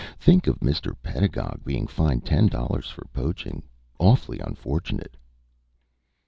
Think of Mr. Pedagog being fined ten dollars for poaching! Awfully unfortunate!"